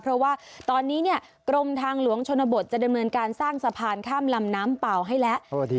เพราะว่าตอนนี้เนี่ยกรมทางหลวงชนบทจะดำเนินการสร้างสะพานข้ามลำน้ำเป่าให้แล้ว